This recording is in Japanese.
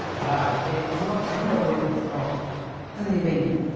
でこのたれを覚えておくとほんとに便利なんで。